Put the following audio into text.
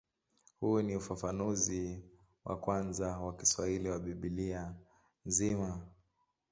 Huu ni ufafanuzi wa kwanza wa Kiswahili wa Biblia nzima.